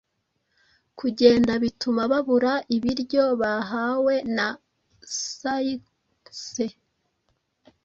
kugenda, bituma babura ibiryo bahawe na Circe.